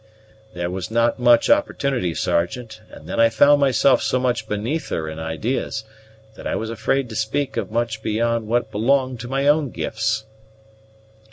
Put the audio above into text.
"There was not much opportunity, Sergeant, and then I found myself so much beneath her in idees, that I was afraid to speak of much beyond what belonged to my own gifts."